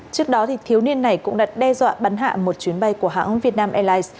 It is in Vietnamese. trước đó thiếu niên này cũng đã đe dọa bắn hạ một chuyến bay của hãng vietnam airlines